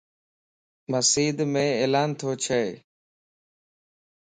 مسيڌم عيلان توچهه